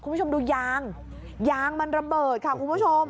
คุณผู้ชมดูยางยางมันระเบิดค่ะคุณผู้ชม